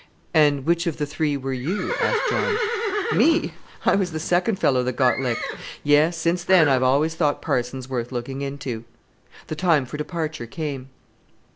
"And which of the three were you?" asked John. "Me! I was the second fellow that got licked; yes, since then I've always thought parsons worth looking into." The time for departure came.